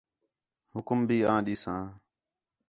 حُکم بھی آں ݙیساں